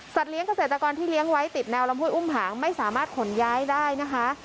เลี้ยงเกษตรกรที่เลี้ยงไว้ติดแนวลำห้วยอุ้มผางไม่สามารถขนย้ายได้นะคะ